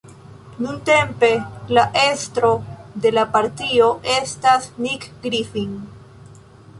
Nuntempe la estro de la partio estas Nick Griffin.